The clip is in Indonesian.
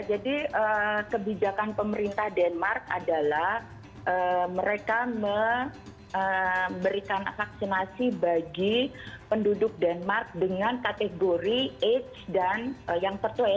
jadi kebijakan pemerintah denmark adalah mereka memberikan vaksinasi bagi penduduk denmark dengan kategori age dan yang tertua ya